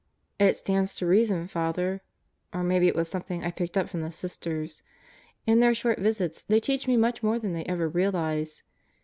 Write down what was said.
"It stands to reason, Father. Or maybe it was something I picked up from the Sisters. In their short visits they teach me much more than they ever realize.